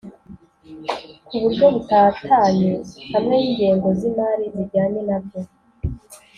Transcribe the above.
ku buryo butatanye hamwe n'ingengo z'imari zijyanye nabyo